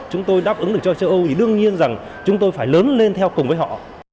chúng tôi đáp ứng được cho châu âu thì đương nhiên rằng chúng tôi phải lớn lên theo cùng với họ